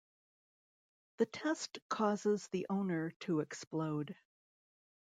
The test causes the owner to explode.